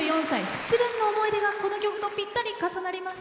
失恋の思い出がこの曲とぴったり重なります。